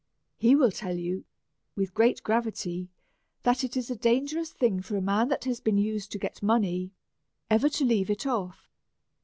He will tell you, with great gravity, that it is a dangerous thing for a man that has been used to get money ever to leave it off.